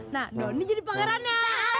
nah doni jadi pangerannya